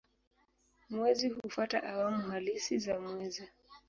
Mwezi hufuata awamu halisi za mwezi.